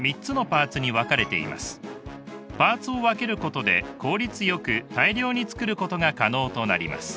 パーツを分けることで効率よく大量に作ることが可能となります。